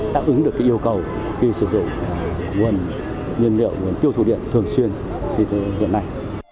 đáp ứng được cái yêu cầu khi sử dụng nguồn nhân liệu nguồn tiêu thủ điện thường xuyên như thế này